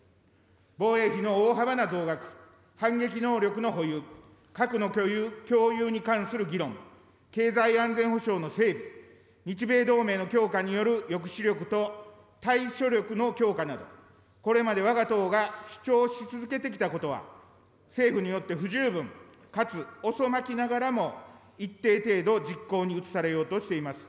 防衛費の大幅な増額、反撃能力の保有、核の共有に関する議論、経済安全保障の整備、日米同盟の強化による抑止力と対処力の強化など、これまでわが党が主張し続けてきたことは、政府によって不十分かつ遅まきながらも一定程度、実行に移されようとしています。